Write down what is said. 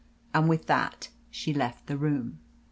And with that she left the room.